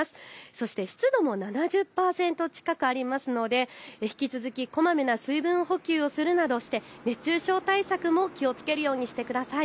そして湿度も７０％近くありますので引き続き、こまめな水分補給をするなどして熱中症対策も気をつけるようにしてください。